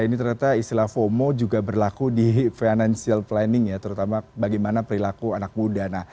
ini ternyata istilah fomo juga berlaku di financial planning ya terutama bagaimana perilaku anak muda